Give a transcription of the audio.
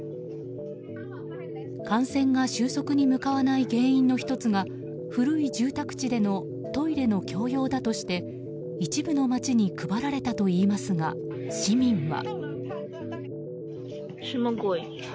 感染が収束に向かわない原因の１つが古い住宅地でのトイレの共用だとして一部の街に配られたといいますが、市民は。